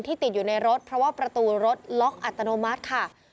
ติดอยู่ในรถเพราะว่าประตูรถล็อกอัตโนมัติค่ะ